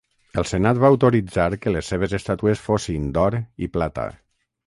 El Senat va autoritzar que les seves estàtues fossin d'or i plata.